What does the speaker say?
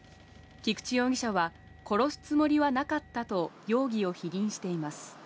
菊池容疑者は、殺すつもりはなかったと容疑を否認しています。